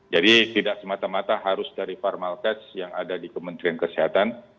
jadi tidak semata mata harus dari farmalkas yang ada di kementerian kesehatan